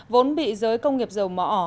vốn bị giới công nghiệp dầu mỏ